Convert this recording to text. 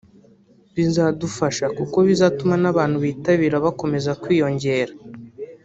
…bizadufasha kuko bizatuma n’abantu bitabira bakomeza kwiyongera